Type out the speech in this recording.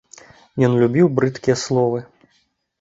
Ён любіў брыдкія словы.